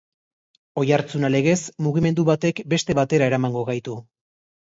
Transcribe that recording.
Oihartzuna legez, mugimendu batek beste batera eramango gaitu.